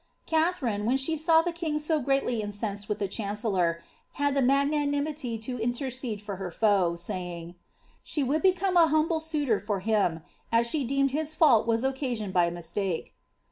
Katharine, when she saw the kin^ so greatly incensed with the chancellor, had the maf naniraity to intercede for her foe, saying, " she would become a humUe suitor for him, as she deemed his fault was occasioned by mistake."